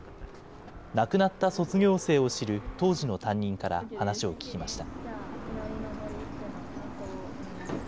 亡くなった卒業生を知る当時の担任から話を聞きました。